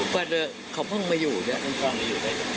ก็เดินเค้าเพิ่งมาอยู่ด้วยเนี่ย